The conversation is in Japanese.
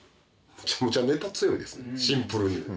めちゃめちゃネタ強いですシンプルに。